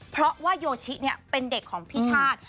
เพราะว่าโยชิเป็นเด็กของพี่ชาติ